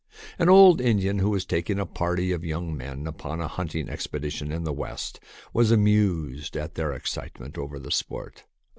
An old Indian who was taking a party of young men upon a hunting expedition in the West was amused at their excitement over the sport.